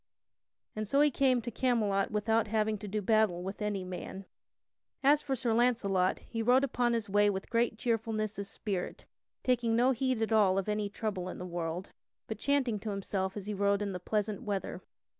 And so he came to Camelot without having to do battle with any man.) [Sidenote: How Sir Launcelot travels toward Camelot] As for Sir Launcelot, he rode upon his way with great cheerfulness of spirit, taking no heed at all of any trouble in the world, but chanting to himself as he rode in the pleasant weather.